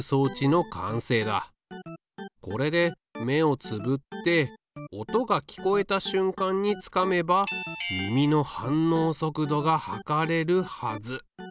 これで目をつぶって音が聞こえたしゅんかんにつかめば耳の反応速度が測れるはず。